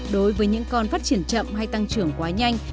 đối với những con phát triển chậm hay tăng trưởng quá nhanh